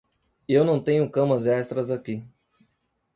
Eu não tenho camas extras aqui.